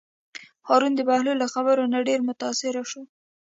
هارون د بهلول له خبرو نه ډېر متأثره شو.